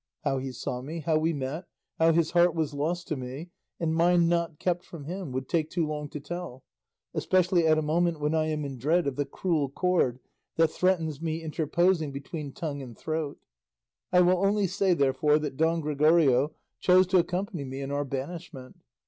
How he saw me, how we met, how his heart was lost to me, and mine not kept from him, would take too long to tell, especially at a moment when I am in dread of the cruel cord that threatens me interposing between tongue and throat; I will only say, therefore, that Don Gregorio chose to accompany me in our banishment.